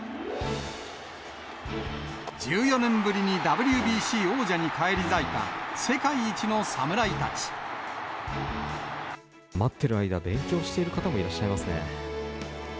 １４年ぶりにＷＢＣ王者に返待ってる間、勉強している方もいらっしゃいますね。